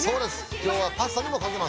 今日はパスタにも掛けます。